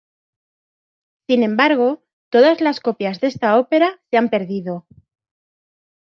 Sin embargo, todas las copias de esta ópera se han perdido.